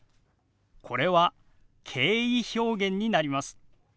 これは敬意表現になります。